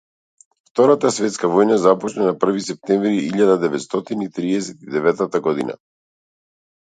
Втората светска војна започна на први септември илјада деветстотини триесет и деветта година.